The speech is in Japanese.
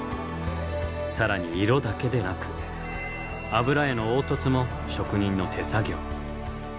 更に色だけでなく油絵の凹凸も職人の手作業。